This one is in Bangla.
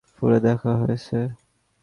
লম্ববা ছুঁচ মলাটের এপার-ওপার ফুড়ে দেখা হয়েছে।